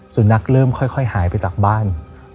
เริ่มค่อยหายไปจากบ้าน